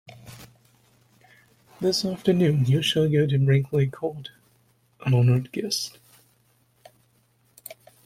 This afternoon you shall go to Brinkley Court, an honoured guest.